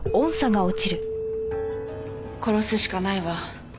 殺すしかないわ。